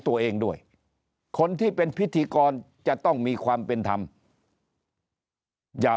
ตัวเองด้วยคนที่เป็นพิธีกรจะต้องมีความเป็นธรรมอย่า